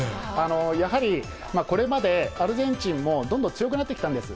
やはりこれまでアルゼンチンも、どんどん強くなってきたんです。